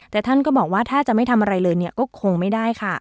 แต่ท่านก็บอกว่าถ้าจะไม่ทำอะไรเลยเนี่ยก็คงไม่ได้ค่ะ